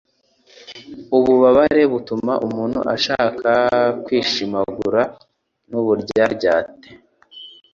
Ububabare butuma umuntu ashaka kwishimagura n' uburyaryate